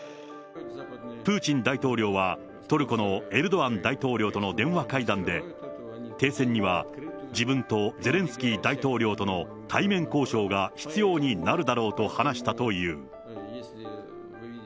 プーチン大統領はトルコのエルドアン大統領との電話会談で、停戦には自分とゼレンスキー大統領との対面交渉が必要になるだろうと話したという。